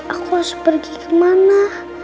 aku harus pergi kemana